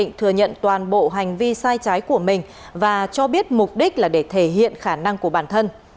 thịnh thừa nhận toàn bộ hành vi sai trái của mình và cho biết mục đích là để thể hiện khả năng của bản thân